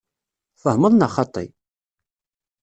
Tfehmeḍ neɣ xaṭi?